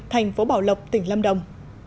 thành phố bảo lộc tỉnh lâm đồng